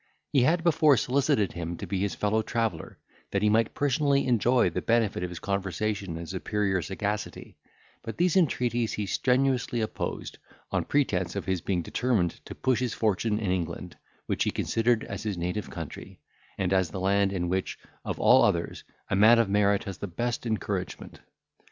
He had before solicited him to be his fellow traveller, that he might personally enjoy the benefit of his conversation and superior sagacity; but these entreaties he strenuously opposed, on pretence of his being determined to push his fortune in England, which he considered as his native country, and as the land in which, of all others, a man of merit has the best encouragement.